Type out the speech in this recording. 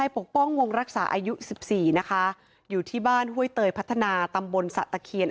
ปกป้องวงรักษาอายุ๑๔นะคะอยู่ที่บ้านห้วยเตยพัฒนาตำบลสะตะเคียน